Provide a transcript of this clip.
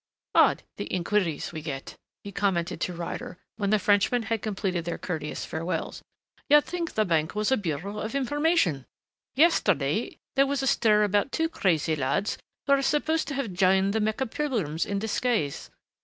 "Odd, the inquiries we get," he commented to Ryder when the Frenchmen had completed their courteous farewells. "You'd think the Bank was a Bureau of Information! Yesterday there was a stir about two crazy lads who are supposed to have joined the Mecca pilgrims in disguise....